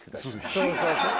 そうそうそう。